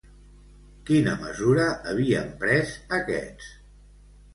Quina mesura havien pres aquests?